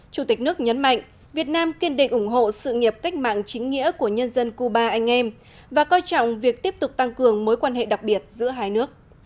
chủ tịch nước nhấn mạnh việt nam kiên định ủng hộ sự nghiệp cách mạng chính nghĩa của nhân dân cuba anh em và coi trọng việc tiếp tục tăng cường mối quan hệ đặc biệt giữa hai nước